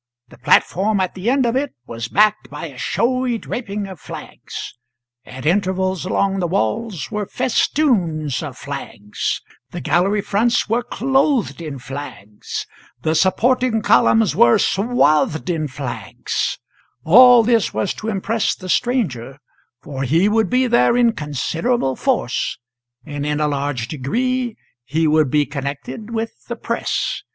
The platform at the end of it was backed by a showy draping of flags; at intervals along the walls were festoons of flags; the gallery fronts were clothed in flags; the supporting columns were swathed in flags; all this was to impress the stranger, for he would be there in considerable force, and in a large degree he would be connected with the press.